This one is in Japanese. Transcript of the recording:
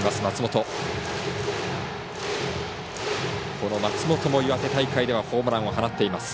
この松本も岩手大会ではホームランを放っています。